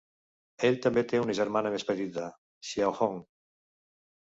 Ell també té una germana més petita, Xiaohong.